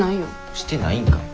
してないんかい。